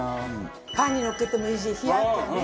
パンにのっけてもいいし冷奴にね